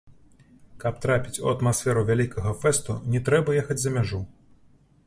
Каб трапіць у атмасферу вялікага фэсту, не трэба ехаць за мяжу!